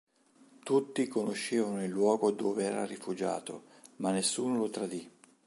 Tutti conoscevano il luogo dove era rifugiato ma nessuno lo tradì.